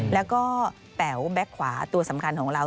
แล้วก็แป๋วแบ็คขวาตัวสำคัญของเรา